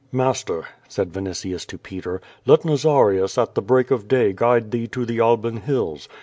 "Master," said Vinitius to Peter, "let Nazarius at the l)n»ak of day guide thee to the Alban Hills.